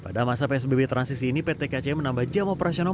pada masa psbb transisi ini pt kci menambah jam operasional